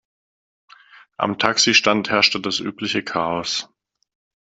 Am Taxistand herrschte das übliche Chaos.